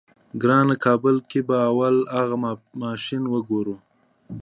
ګرانه کابل کې به اول اغه ماشين وګورې.